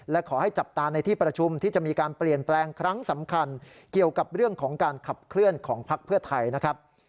และขอให้จับตาในที่ประชุมที่จะมีการเปลี่ยนแปลงครั้งสำคัญเกี่ยวกับเรื่องของการขับเคลื่อนของพักเพื่อไทยนะครับ